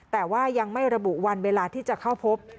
แต่ว่ายังไม่ระบุวันเวลาที่จะเข้าพบ